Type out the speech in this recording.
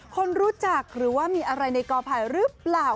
คนรู้จักหรือว่ามีอะไรในกอไผ่หรือเปล่า